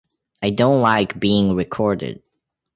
I don't like being recorded.